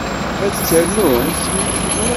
Ad ternumt?